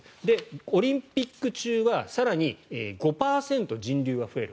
オリンピック中は更に５％人流が増える。